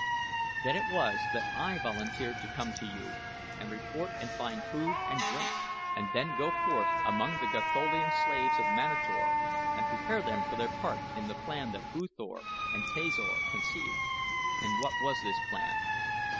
Then it was that I volunteered to come to you and report and find food and drink and then go forth among the Gatholian slaves of Manator and prepare them for their part in the plan that U Thor and Tasor conceived." "And what was this plan?"